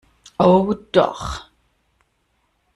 Oh doch!